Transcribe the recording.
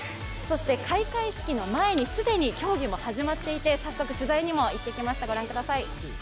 そして開会式の前に既に競技も始まっていて早速取材にも行ってきました、御覧ください。